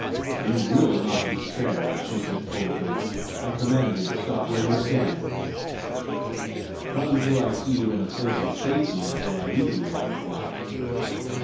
"You WILL not be spared!" she said coldly. "I command you to stop where you stand." "Not until I see you in a place of safety will I leave you," I replied.